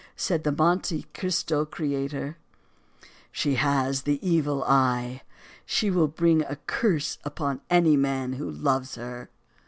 Said Monte Cristo's creator: "She has the evil eye. She will bring a curse upon any man who loves her."